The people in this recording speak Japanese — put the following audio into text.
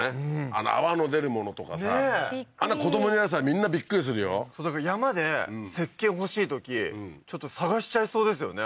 あの泡の出るものとかさねえあんなん子どもにやらせたらみんなびっくりするよそうだから山でせっけん欲しいときちょっと探しちゃいそうですよね